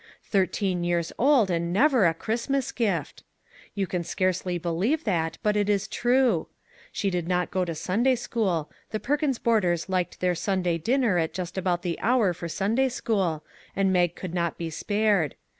Thir teen years old, and never a Christmas gift! You can scarcely believe that, but it is true. She did not go to Sunday school; the Perkins boarders liked their Sunday dinner at just about the hour for Sunday school, and Mag could not be spared.